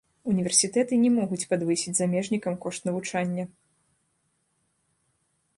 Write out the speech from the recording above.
Універсітэты не могуць падвысіць замежнікам кошт навучання.